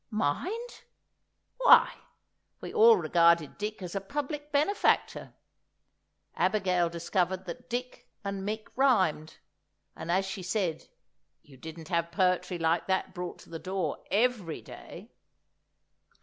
Mind! Why, we all regarded Dick as a public benefactor! Abigail discovered that Dick and Mick rhymed, and as she said, you didn't have poetry like that brought to the door every day!